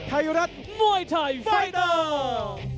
ไทยรัฐมวยไทยไฟเตอร์